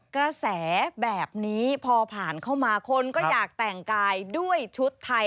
กระแสแบบนี้พอผ่านเข้ามาคนก็อยากแต่งกายด้วยชุดไทย